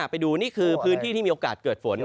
ไปดูนี่คือพื้นที่ที่มีโอกาสเกิดฝน